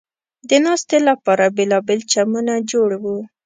د ناستې لپاره بېلابېل چمنونه جوړ و.